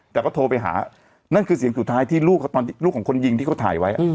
แต่เขาโทรไปหานั่นคือเสียงสุดท้ายที่ลูกเขาตอนนี้ลูกของคนยิงที่เขาถ่ายไว้อ่ะ